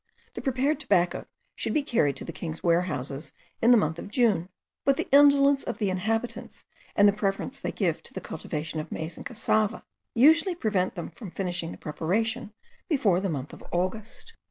The prepared tobacco should be carried to the king's warehouses in the month of June; but the indolence of the inhabitants, and the preference they give to the cultivation of maize and cassava, usually prevent them from finishing the preparation before the month of August.